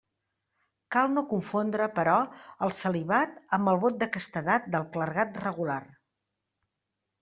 Cal no confondre, però, el celibat amb el vot de castedat del clergat regular.